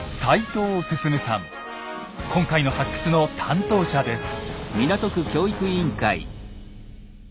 今回の発掘の担当者です。